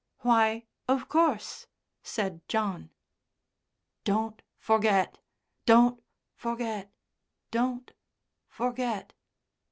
"Why, of course," said John. "Don't forget! Don't forget! Don't forget!"